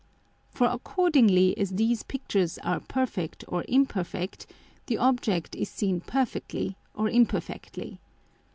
For accordingly as these Pictures are perfect or imperfect, the Object is seen perfectly or imperfectly.